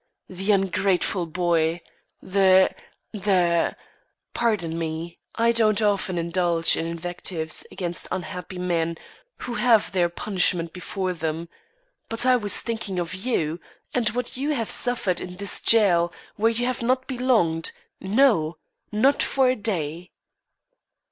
The ungrateful boy! The the Pardon me, I don't often indulge in invectives against unhappy men who have their punishment before them, but I was thinking of you and what you have suffered in this jail, where you have not belonged no, not for a day."